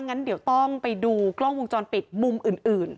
งั้นเดี๋ยวต้องไปดูกล้องวงจรปิดมุมอื่น